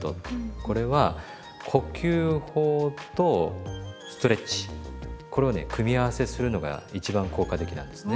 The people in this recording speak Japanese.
これは呼吸法とストレッチこれをね組み合わせするのが一番効果的なんですね。